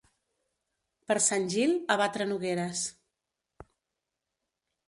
Per Sant Gil, a batre nogueres.